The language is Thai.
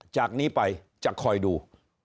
จากนี้ไปจะคอยดู